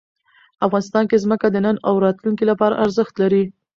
افغانستان کې ځمکه د نن او راتلونکي لپاره ارزښت لري.